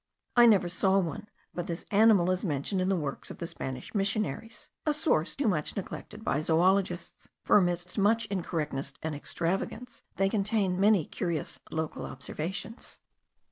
I never saw one, but this animal is mentioned in the works of the Spanish missionaries, a source too much neglected by zoologists; for amidst much incorrectness and extravagance, they contain many curious local observations.